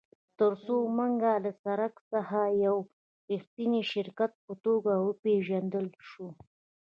ترڅو موږ له سړک څخه د یو ریښتیني شرکت په توګه وپیژندل شو